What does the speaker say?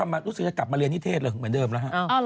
รู้สึกจะกลับมาเรียนนิเทศเลยเหมือนเดิมแล้วฮะ